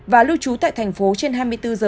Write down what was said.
và lưu trú tại thành phố trên hai mươi bốn giờ